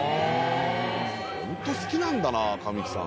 本当好きなんだな、神木さん。